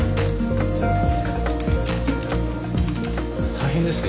大変ですね